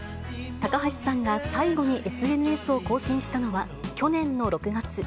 高橋さんが最後にＳＮＳを更新したのは、去年の６月。